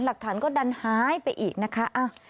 หลักฐานก็ดันหายไปอีกนะคะ